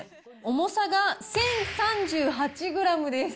重さが１０３８グラムです。